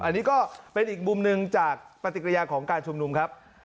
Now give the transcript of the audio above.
อันนี้ก็เป็นอีกมุมหนึ่งจากปฏิกิริยาของการชุมนุมครับ